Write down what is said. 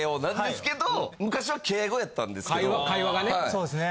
そうですね。